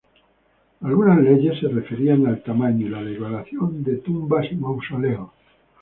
Algunas leyes se referían al tamaño y la decoración de tumbas y mausoleos.